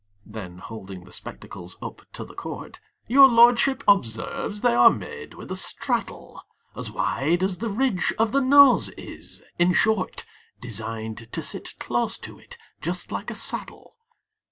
Then holding the spectacles up to the court Your lordship observes they are made with a straddle As wide as the ridge of the Nose is; in short, Designed to sit close to it, just like a saddle.